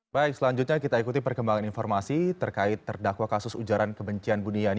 baik selanjutnya kita ikuti perkembangan informasi terkait terdakwa kasus ujaran kebencian buniani